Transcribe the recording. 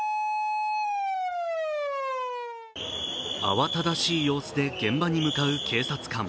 慌ただしい様子で現場に向かう警察官。